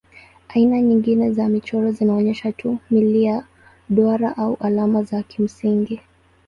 Aina nyingine za michoro zinaonyesha tu milia, duara au alama za kimsingi.